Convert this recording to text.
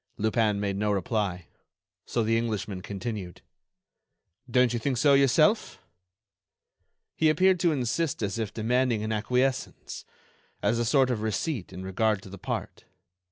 Lupin made no reply. So the Englishman continued: "Don't you think so yourself?" He appeared to insist as if demanding an acquiescence, as a sort of receipt in regard to the part.